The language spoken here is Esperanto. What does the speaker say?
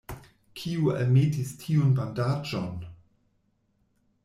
Kiu almetis tiun bandaĝon?